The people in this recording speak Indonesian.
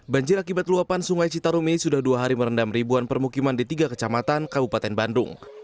banjir akibat luapan sungai citarumi sudah dua hari merendam ribuan permukiman di tiga kecamatan kabupaten bandung